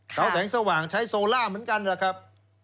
เขาแสงสว่างใช้โซล่าเหมือนกันนะครับ